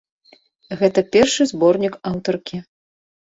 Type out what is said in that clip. Гэта першы зборнік аўтаркі.